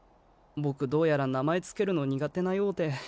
僕どうやら名前付けるの苦手なようで。